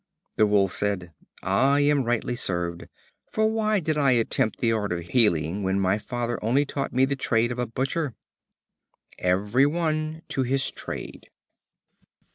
The Wolf said: "I am rightly served, for why did I attempt the art of healing, when my father only taught me the trade of a butcher?" Every one to his trade.